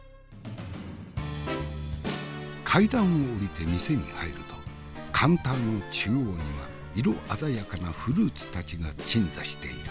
階段を下りて店に入るとカウンターの中央には色鮮やかなフルーツたちが鎮座している。